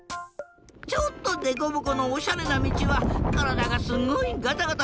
ちょっとデコボコのおしゃれなみちはからだがすごいガタガタするし。